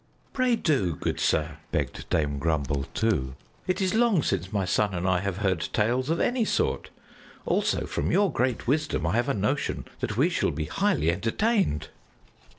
"Pray do, good sir!" begged Dame Grumble too. "It is long since my son and I have heard tales of any sort. Also from your great wisdom I have a notion that we shall be highly entertained."